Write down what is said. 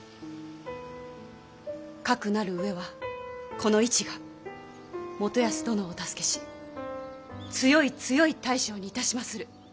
かくなる上はこの市が元康殿をお助けし強い強い大将にいたしまする。